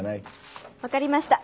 分かりました。